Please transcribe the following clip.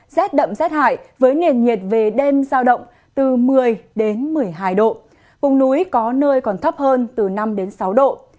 rét đậm rét hại với nền nhiệt về đêm giao động từ một mươi đến một mươi hai độ vùng núi có nơi còn thấp hơn từ năm sáu độ